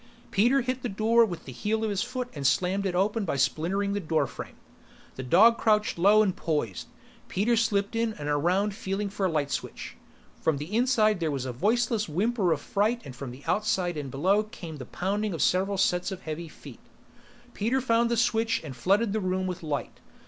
Peter hit the door with the heel of his foot and slammed it open by splintering the doorframe. The dog crouched low and poised; Peter slipped in and around feeling for a light switch. From inside there was a voiceless whimper of fright and from outside and below there came the pounding of several sets of heavy feet. Peter found the switch and flooded the room with light.